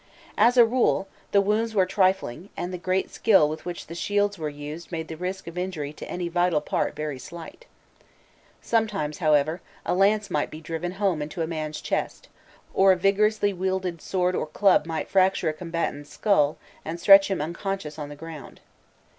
As a rule, the wounds were trifling, and the great skill with which the shields were used made the risk of injury to any vital part very slight. Sometimes, however, a lance might be driven home into a man's chest, or a vigorously wielded sword or club might fracture a combatant's skull and stretch him unconscious on the ground.